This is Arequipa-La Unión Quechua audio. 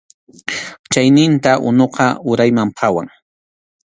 Chayninta unuqa urayman phawan.